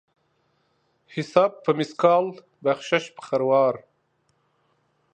حساب په مثقال ، بخشش په خروار.